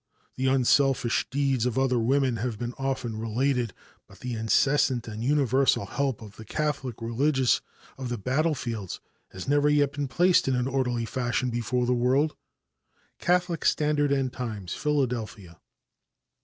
The unselfish deeds of other women have been often related, but the incessant and universal help of the Catholic religious of the battlefields has never yet been placed in an orderly fashion before the world. Catholic Standard and Times, Philadelphia.